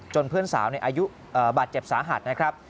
เพื่อนสาวในอายุบาดเจ็บสาหัสนะครับ